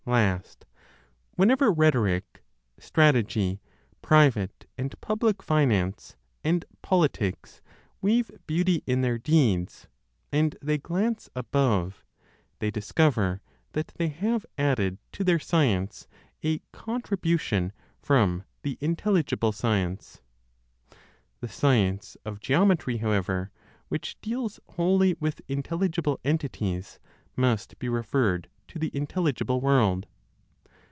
Last, whenever rhetoric, strategy, private and public finance and politics weave beauty in their deeds, and they glance above, they (discover) that they have added to their science a contribution from the intelligible science. The science of geometry, however, which deals (wholly) with intelligible entities, must be referred to the intelligible world.